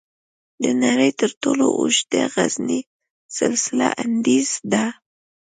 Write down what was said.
د نړۍ تر ټولو اوږد غرنی سلسله "انډیز" ده.